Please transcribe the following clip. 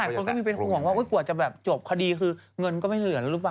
กฎก็มีคนหววงว่ากว่ากวจงจบคดีคือเงินก็ไม่เหลือลูกบาง